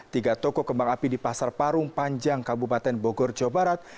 tiga toko kembang api di pasar parung panjang kabupaten bogor jawa barat